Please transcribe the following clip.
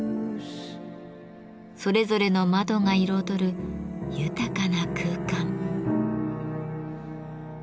それぞれの窓が彩る豊かな空間。